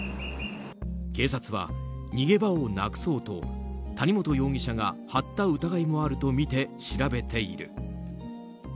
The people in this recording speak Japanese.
警察は逃げ場をなくそうと谷本容疑者が貼った疑いもあるとみて調べている。